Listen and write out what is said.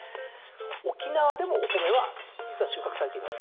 沖縄でもお米は実は収穫されています。